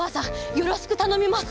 よろしくたのみます！